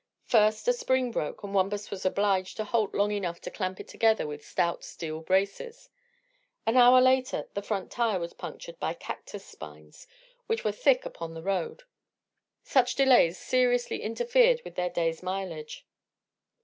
First a spring broke, and Wampus was obliged to halt long enough to clamp it together with stout steel braces. An hour later the front tire was punctured by cactus spines, which were thick upon the road. Such delays seriously interfered with their day's mileage.